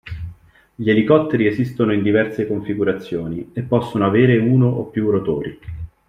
Gli elicotteri esistono in diverse configurazioni e possono avere uno o più rotori.